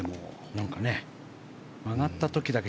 なんかね曲がった時だけ」